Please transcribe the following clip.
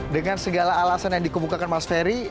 dengan segala alasan yang dikemukakan mas ferry